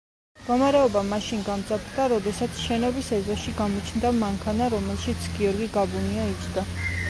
მდგომარეობა მაშინ გამძაფრდა, როდესაც შენობის ეზოში გამოჩნდა მანქანა, რომელშიც გიორგი გაბუნია იჯდა.